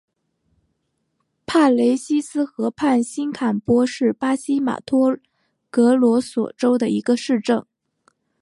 帕雷西斯河畔新坎波是巴西马托格罗索州的一个市镇。